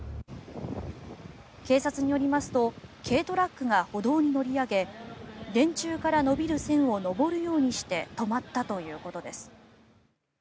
警察によりますと軽トラックが歩道に乗り上げ電柱から伸びる線を上るようにして止まったということです。